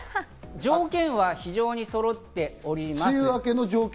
条件は非常にそろっております。